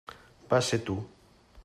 Vas ser tu.